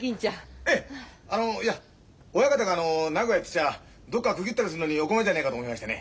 ええあのいや親方があの名古屋行ってちゃどっかくぎ打ったりするのにお困りじゃねえかと思いましてね。